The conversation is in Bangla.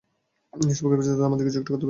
সবাইকে বাঁচাতে হলে আমাদেরকে কিছু একটা করতে হবে।